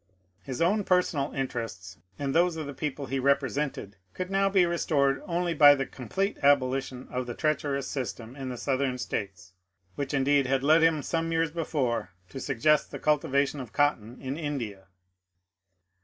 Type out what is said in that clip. His own personal interests and those of the people he represented could now be restored only by the complete abolition of the treacherous system in the Southern States, which indeed had led him some years before to suggest the cultivation of cotton in India.